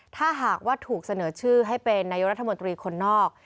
ถ้าหากว่าถูกเสนอชื่อให้เป็นนายกรัฐมนตรีคนนอก